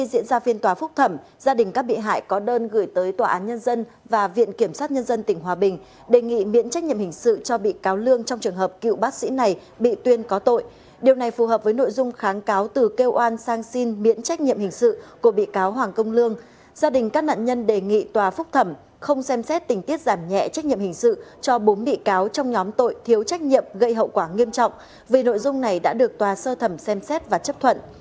gia đình các nạn nhân đề nghị tòa phúc thẩm không xem xét tình tiết giảm nhẹ trách nhiệm hình sự cho bốn bị cáo trong nhóm tội thiếu trách nhiệm gây hậu quả nghiêm trọng vì nội dung này đã được tòa sơ thẩm xem xét và chấp thuận